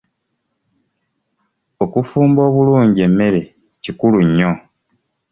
Okufumba obulungi emmere kikulu nnyo.